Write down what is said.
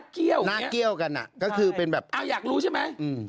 พี่หนาเกี้ยวกันน่ะก็คือเป็นแบบอะอยากรู้ใช่มั้ยอืม